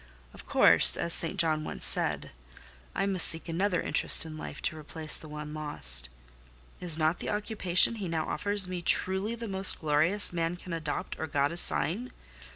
Of course (as St. John once said) I must seek another interest in life to replace the one lost: is not the occupation he now offers me truly the most glorious man can adopt or God assign?